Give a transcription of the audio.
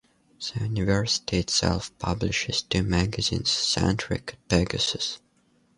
The university itself publishes two magazines, "Centric" and "Pegasus.